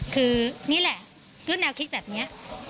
คือนี่แหละรุ่นแนวคลิกแบบนี้